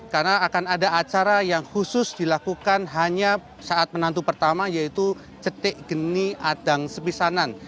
karena akan ada acara yang khusus dilakukan hanya saat menantu pertama yaitu cetek geni adang sepisanan